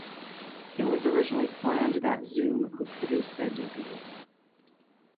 It was originally planned that Zum would produce their debut.